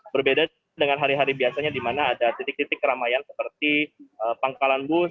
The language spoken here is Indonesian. berbeda dengan hari hari biasanya di mana ada titik titik keramaian seperti pangkalan bus